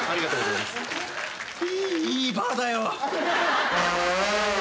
いいバーだよ。